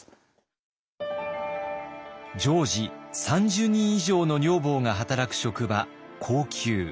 常時３０人以上の女房が働く職場後宮。